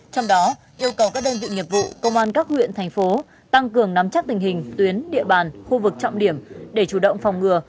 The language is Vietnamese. trong đó yêu cầu các đơn vị nghiệp vụ công an các huyện thành phố tăng cường nắm chắc tình hình tuyến địa bàn khu vực trọng điểm để chủ động phòng ngừa